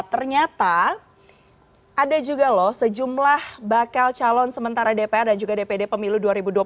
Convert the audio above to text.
ternyata ada juga loh sejumlah bakal calon sementara dpr dan juga dpd pemilu dua ribu dua puluh